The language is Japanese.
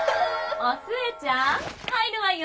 ・お寿恵ちゃん入るわよ！